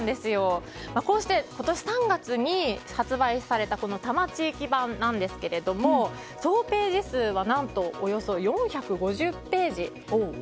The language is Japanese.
こうして今年３月に発売された多摩地域版なんですが総ページ数は何とおよそ４５０ページ。